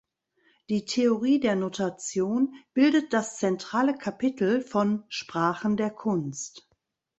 Die Theorie der Notation bildet das zentrale Kapitel von "Sprachen der Kunst".